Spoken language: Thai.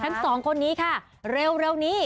ทั้งสองคนนี้ค่ะเร็วนี้